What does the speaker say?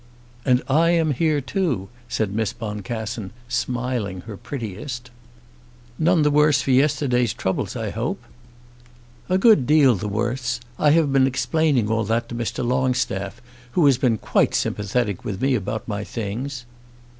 "And I am here too," said Miss Boncassen, smiling her prettiest. "None the worse for yesterday's troubles, I hope?" "A good deal the worse. I have been explaining all that to Mr. Longstaff, who has been quite sympathetic with me about my things."